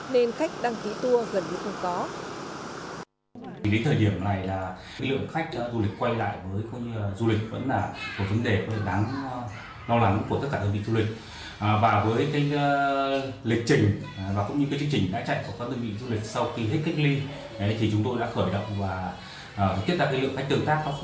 nên khách đăng ký tour gần như không có